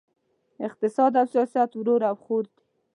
اقتصاد او سیاست ورور او خور دي!